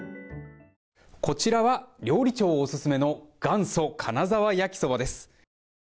こちらは料理長オススメの元祖金澤焼きそばです。